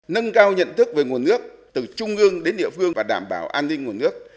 nâng cao nhận thức về nguồn nước từ trung ương đến địa phương và đảm bảo an ninh nguồn nước